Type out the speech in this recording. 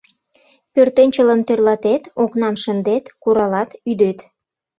Пӧртӧнчылым тӧрлатет, окнам шындет, куралат, ӱдет.